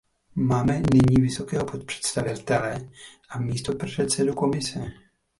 Máme nyní vysokého představitele a místopředsedu Komise.